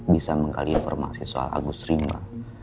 bisa menggali informasi soal agus rima